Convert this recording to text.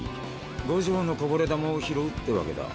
五条のこぼれ球を拾うってわけだ。